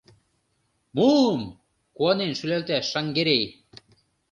— Муым... — куанен шӱлалта Шаҥгерей.